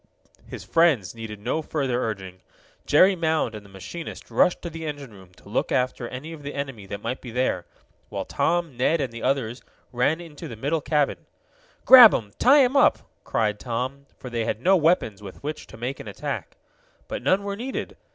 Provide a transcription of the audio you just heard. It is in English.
His friends needed no further urging. Jerry Mound and the machinist rushed to the engine room, to look after any of the enemy that might be there, while Tom, Ned and the others ran into the middle cabin. "Grab 'em! Tie 'em up!" cried Tom, for they had no weapons with which to make an attack. But none were needed.